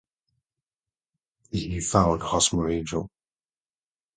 He found Hosmer Angel.